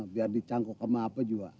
biar dicangkuk sama apa juga